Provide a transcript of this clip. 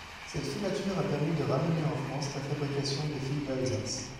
Cette filature a permis de ramener en France la fabrication des fils d’Alsace.